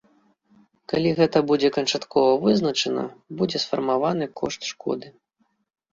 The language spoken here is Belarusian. Калі гэта будзе канчаткова вызначана, будзе сфармаваны кошт шкоды.